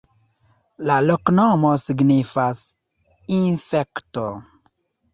La loknomo signifas: infekto.